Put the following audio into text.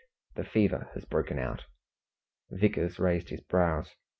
"The fever has broken out." Vickers raised his brows.